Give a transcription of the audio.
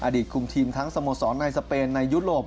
คุมทีมทั้งสโมสรในสเปนในยุโรป